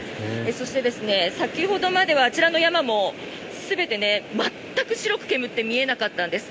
そして先ほどまではあちらの山も全て全く、白く煙って見えなかったんです。